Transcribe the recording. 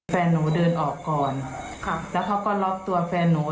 แฟนหนูเดินออกก่อนค่ะแล้วเขาก็ล็อกตัวแฟนหนู